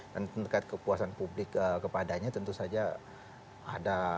dan terkait kepuasan publik kepadanya tentu saja ada